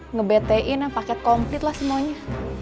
nge bt in paket komplit lah semuanya